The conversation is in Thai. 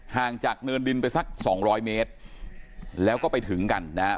ห่างจากเนินดินไปสักสองร้อยเมตรแล้วก็ไปถึงกันนะฮะ